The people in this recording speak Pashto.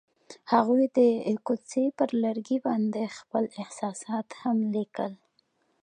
هغوی د کوڅه پر لرګي باندې خپل احساسات هم لیکل.